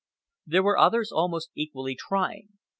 There were others almost equally trying.